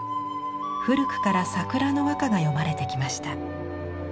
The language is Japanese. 古くから桜の和歌が詠まれてきました。